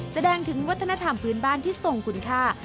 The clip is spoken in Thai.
แสดงถึงวัฒนธรรมพื้นบ้านที่ทรงคุณค่า